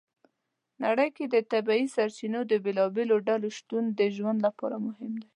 نړۍ کې د طبیعي سرچینو د بېلابېلو ډولو شتون د ژوند لپاره مهم دی.